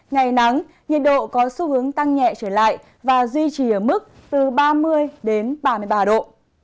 ngày nắng nhiệt độ có xu hướng tăng nhẹ trở lại và duy trì ở mức từ ba mươi đến ba mươi ba độ